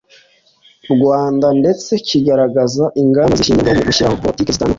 Rwanda ndetse kikagaragaza ingamba zishingirwaho mu gushyiraho politiki zitandukanye